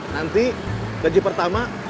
nanti gaji pertama